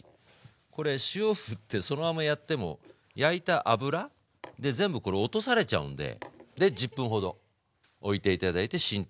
これ塩ふってそのままやっても焼いた油で全部これ落とされちゃうんで１０分ほどおいて頂いて浸透させる。